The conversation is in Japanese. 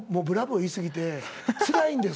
言い過ぎてつらいんです」